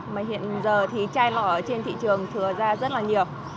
mà hiện giờ thì chai nọ ở trên thị trường thừa ra rất là nhiều